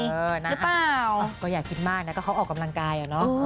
เออน่าเปล่าก็อยากคิดมากนะก็เขาออกกำลังกายอะเนาะ